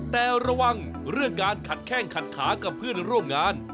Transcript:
แต่ระวังเรื่องการขัดแข้งขัดขากับเพื่อนร่วมงาน